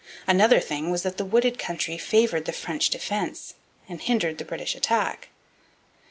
Another thing was that the wooded country favoured the French defence and hindered the British attack.